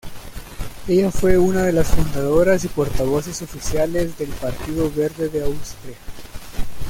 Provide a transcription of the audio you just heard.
Ella fue una de las fundadoras y portavoces oficiales del Partido Verde de Austria.